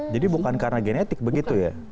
jadi bukan karena genetik begitu ya